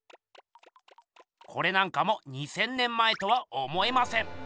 これなんかも２，０００年前とは思えません。